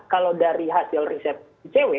kalau dari hasil riset icw